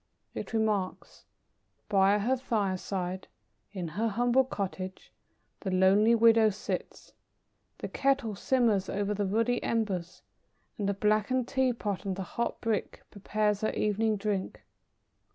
It remarks: "By her fireside, in her humble cottage, the lonely widow sits; the kettle simmers over the ruddy embers, and the blackened tea pot on the hot brick prepares her evening drink.